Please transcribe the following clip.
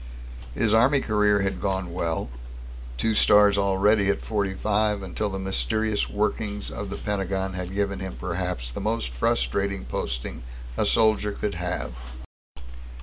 His Army career had gone well two stars already at forty five until the mysterious workings of the Pentagon had given him perhaps the most frustrating posting a soldier could have.